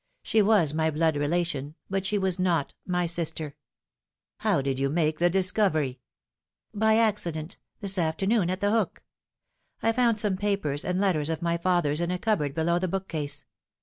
She was my blood relation, but she was not my sister." " How did you make the discovery ?"" By accident this afternoon at The Hook. I found some papers and letters of my father's in a cupboard below the book case.